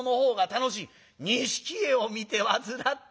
錦絵を見て煩った。